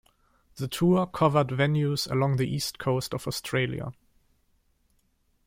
The tour covered venues along the east coast of Australia.